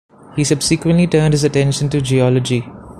He subsequently turned his attention to geology.